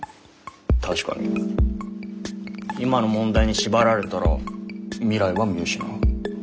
確かに今の問題に縛られたら未来は見失う。